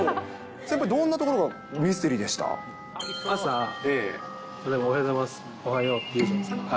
先輩、どんなところがミステ朝、例えば、おはようございます、おはようって言うじゃないですか。